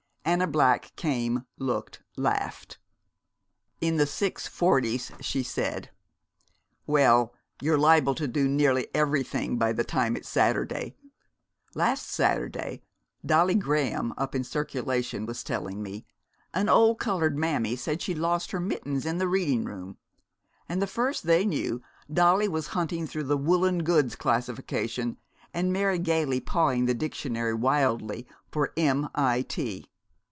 Anna Black came, looked, laughed. "In the 640's!" she said. "Well, you're liable to do nearly everything by the time it's Saturday. Last Saturday, Dolly Graham up in the Circulation was telling me, an old colored mammy said she'd lost her mittens in the reading room; and the first they knew Dolly was hunting through the Woollen Goods classification, and Mary Gayley pawing the dictionary wildly for m i t!"